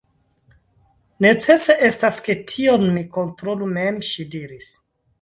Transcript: Necese estas, ke tion mi kontrolu mem, ŝi diris.